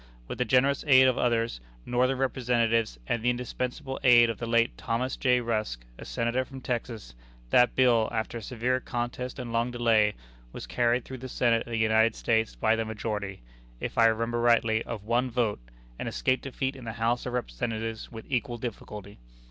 With the generous aid of others, Northern Representatives, and the indispensable aid of the late Thomas J. Rusk, a Senator from Texas, that bill, after a severe contest and long delay, was carried through the Senate of the United States by the majority, if I remember rightly, of one vote, and escaped defeat in the House of Representatives with equal difficulty.